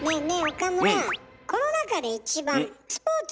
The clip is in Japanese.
岡村。